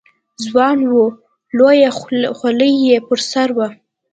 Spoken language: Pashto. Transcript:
ځوان و، لویه خولۍ یې پر سر وه.